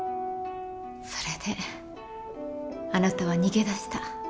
それであなたは逃げ出した。